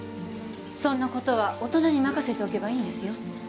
そんなことは大人に任せておけばいいんですよ